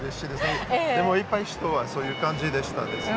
でも、行った人はそういう感じでしたね。